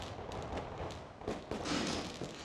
Thus, the mixture taken as a whole will not decay by halves.